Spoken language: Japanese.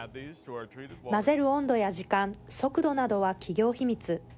混ぜる温度や時間速度などは企業秘密。